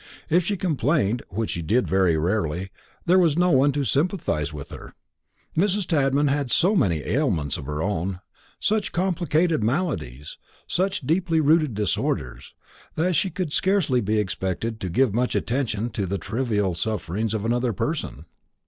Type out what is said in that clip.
If she complained, which she did very rarely, there was no one to sympathise with her. Mrs. Tadman had so many ailments of her own, such complicated maladies, such deeply rooted disorders, that she could be scarcely expected to give much attention to the trivial sufferings of another person.